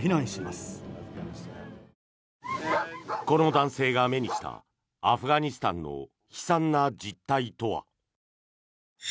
この男性が目にしたアフガニスタンの悲惨な実態とは。